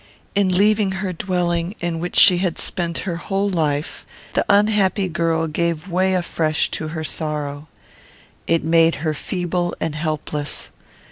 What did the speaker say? In leaving her dwelling, in which she had spent her whole life, the unhappy girl gave way afresh to her sorrow. It made her feeble and helpless.